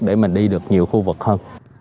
để mình đi được nhiều khu vực hơn